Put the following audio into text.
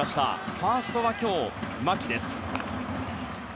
ファーストは今日、牧です。